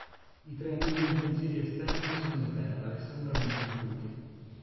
I tre anelli difensivi esterni sono di terra e sembrano incompiuti.